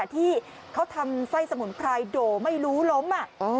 ที่เขาทำไส้สมุนไพรโด่ไม่รู้ล้ม